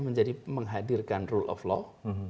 menghadirkan rule of law